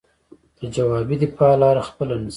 د ځوابي دفاع لاره خپله نه شي.